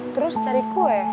terus cari kue